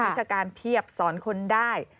วิชาการเพียบสอนคนได้